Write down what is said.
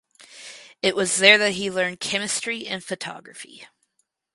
It was there that he learned chemistry and photography.